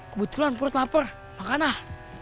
kebetulan perut lapar maka nah